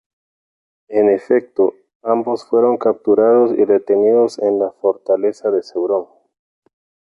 En efecto, ambos fueron capturados y retenidos en la fortaleza de Sauron.